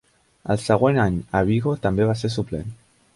El següent any a Vigo també va ser suplent.